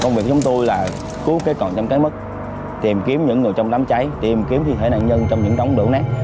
công việc giống tôi là cứu cái còn trăm cái mất tìm kiếm những người trong đám cháy tìm kiếm thi thể nạn nhân trong những đống lửa nát